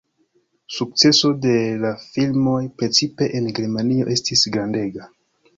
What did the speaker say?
Sukceso de la filmoj precipe en Germanio estis grandega.